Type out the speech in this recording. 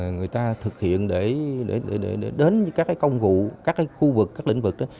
người ta thực hiện để đến các cái công vụ các cái khu vực các lĩnh vực đó